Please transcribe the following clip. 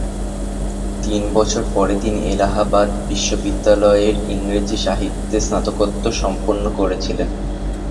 তিন বছর পরে, তিনি এলাহাবাদ বিশ্ববিদ্যালয়ের ইংরেজি সাহিত্যে স্নাতকোত্তর সম্পন্ন করেছিলেন।